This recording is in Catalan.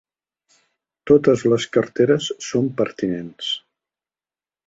Totes les carteres són pertinents.